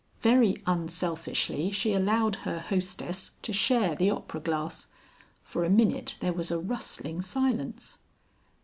Very unselfishly she allowed her hostess to share the opera glass. For a minute there was a rustling silence.